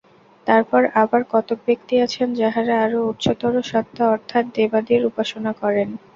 তারপর আবার কতক ব্যক্তি আছেন, যাঁহারা আরও উচ্চতর সত্তা অর্থাৎ দেবাদির উপাসনা করেন।